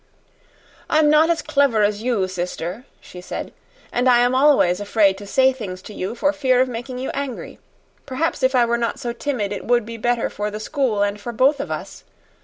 "I'm not as clever as you, sister," she said, "and I am always afraid to say things to you for fear of making you angry. Perhaps if I were not so timid it would be better for the school and for both of us.